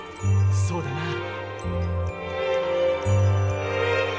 そうだな。